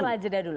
setelah jeda dulu